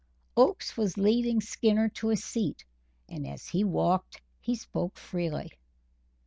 Oakes was leading Skinner to a seat, and as he walked, he spoke freely.